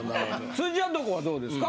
辻ちゃんとこはどうですか？